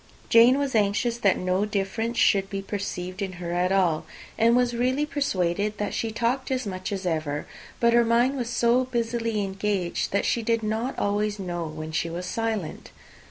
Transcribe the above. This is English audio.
Jane was anxious that no difference should be perceived in her at all, and was really persuaded that she talked as much as ever; but her mind was so busily engaged, that she did not always know when she was silent.